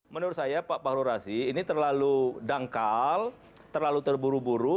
menurut saya pak fahrurasi ini terlalu dangkal terlalu terburu buru